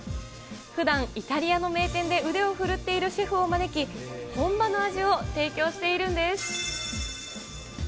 ふだんイタリアの名店で腕を振るっているシェフを招き、本場の味を提供しているんです。